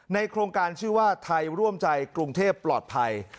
โครงการชื่อว่าไทยร่วมใจกรุงเทพปลอดภัย